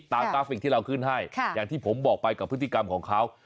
กราฟิกที่เราขึ้นให้อย่างที่ผมบอกไปกับพฤติกรรมของเขา